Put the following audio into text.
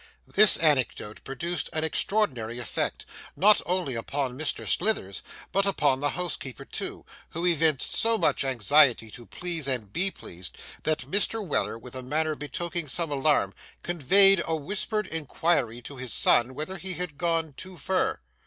This anecdote produced an extraordinary effect, not only upon Mr. Slithers, but upon the housekeeper also, who evinced so much anxiety to please and be pleased, that Mr. Weller, with a manner betokening some alarm, conveyed a whispered inquiry to his son whether he had gone 'too fur.